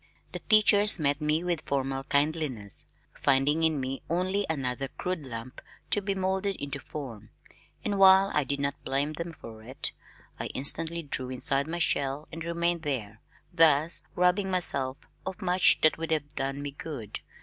The teachers met me with formal kindliness, finding in me only another crude lump to be moulded into form, and while I did not blame them for it, I instantly drew inside my shell and remained there thus robbing myself of much that would have done me good.